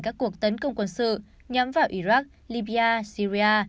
các cuộc tấn công quân sự nhắm vào iraq libya syria